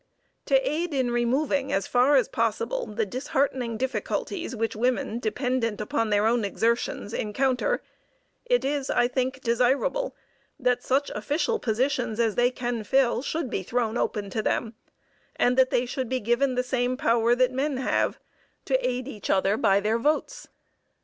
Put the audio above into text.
To aid in removing as far as possible the disheartening difficulties which women dependent upon their own exertions encounter, it is, I think, desirable that such official positions as they can fill should be thrown open to them, and that they should be given the same power that men have to aid each other by their votes.